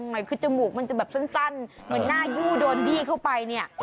หน่อยคือจมูกมันจะแบบสั้นเหมือนหน้ายู่โดนบี้เข้าไปเนี่ย